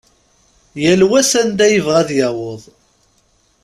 Yal wa s anda yebɣa ad yaweḍ.